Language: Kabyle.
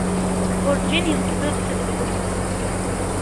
Urǧin yewwet-d udfel deg unebdu.